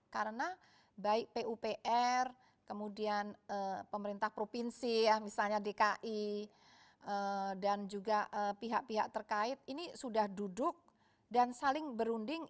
karena baik pupr kemudian pemerintah provinsi misalnya dki dan juga pihak pihak terkait ini sudah duduk dan saling berunding